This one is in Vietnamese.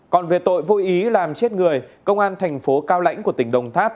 còn về tội vô ý làm chết người công an thành phố cao lãnh của tỉnh đồng tháp